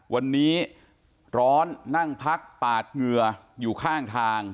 วันนี้ร้อนนั่งพักปาดเหงื่ออยู่ข้างทาง